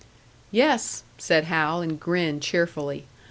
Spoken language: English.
"Yes," said Hal, and grinned cheerfully.